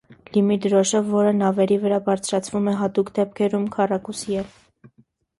Լիմի դրոշը, որը նավերի վրա բարձրացվում է հատուկ դեպքերում, քառակուսի է։